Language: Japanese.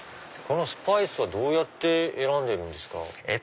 このスパイスはどうやって選んでるんですか？